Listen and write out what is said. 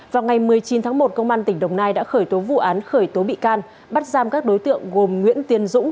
vào ngày một mươi chín tháng một công an tỉnh đồng nai đã khởi tố vụ án khởi tố bị can bắt giam các đối tượng gồm nguyễn tiến dũng